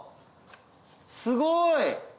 すごい！